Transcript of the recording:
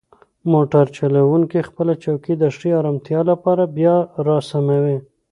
موټر چلونکی خپله چوکۍ د ښې ارامتیا لپاره بیا راسموي.